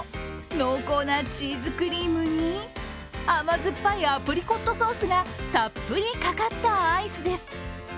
濃厚なチーズクリームに甘酸っぱいアプリコットソースがたっぷりかかったアイスです。